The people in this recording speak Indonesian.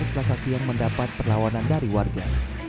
selasa siang mendapat perlawanan dari warga